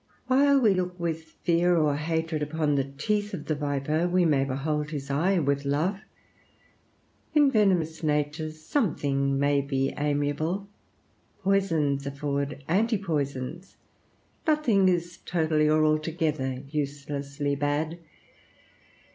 While we look with fear or hatred upon the teeth of the viper, we may behold his eye with love. In venomous natures something may be amiable: poisons afford anti poisons: nothing is totally or altogether uselessly bad.